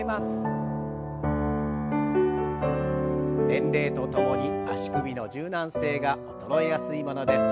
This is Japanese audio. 年齢とともに足首の柔軟性が衰えやすいものです。